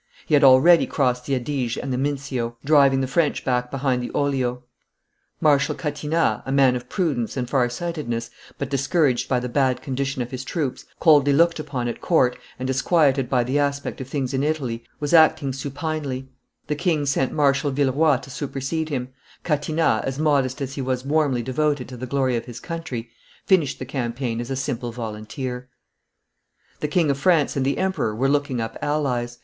He had already crossed the Adige and the Mincio, driving the French back behind the Oglio. Marshal Catinat, a man of prudence and far sightedness, but discouraged by the bad condition of his troops, coldly looked upon at court, and disquieted by the aspect of things in Italy, was acting supinely; the king sent Marshal Villeroi to supersede him; Catinat, as modest as he was warmly devoted to the glory of his country, finished the campaign as a simple volunteer. The King of France and the emperor were looking up allies.